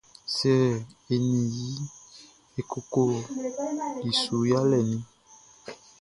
Sɛ e ni i e kokoli su yalɛʼn ni?